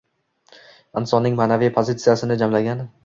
Insonning ma’naviy pozisiyasini jamlagan.